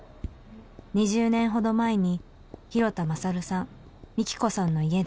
「２０年ほど前に広田勝さん美貴子さんの家で」